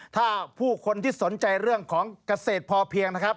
ถ้าผู้คนที่สนใจเรื่องของเกษตรพอเพียงนะครับ